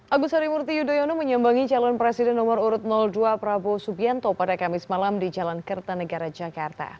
agus harimurti yudhoyono menyambangi calon presiden nomor urut dua prabowo subianto pada kamis malam di jalan kertanegara jakarta